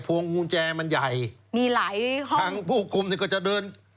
วงกุญแจมันใหญ่มีหลายห้องทางผู้คุมเนี่ยก็จะเดิน